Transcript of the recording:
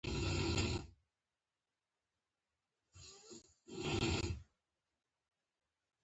دا پيسې له کومه شوې؟